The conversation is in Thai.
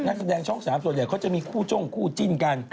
นักแสดงช่อง๓ส่วนใหญ่เขาจะมีคู่จ้งคู่จิ้นกัน